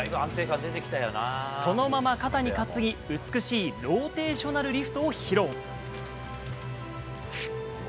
そのまま肩に担ぎ、美しいローテーショナルリフトを披露。